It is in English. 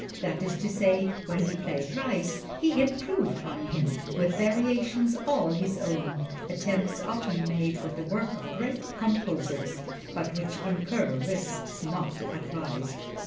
That is to say, when he played "Reis," he improved on him, with variations all his own attempts often made with the work of great composers, but which incur risks not advised.